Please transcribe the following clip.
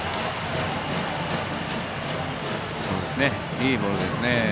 いいボールですね。